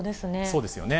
そうですよね。